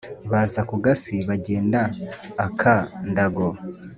Baza ku Gasi, bagenda aka Ndago,